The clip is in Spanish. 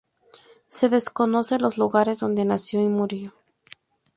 Se desconocen los lugares donde nació y murió.